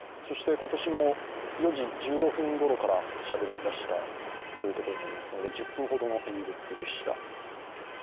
今年も４時１５分ごろからしゃべり出したところでありますので、１０分ほどの演説でした。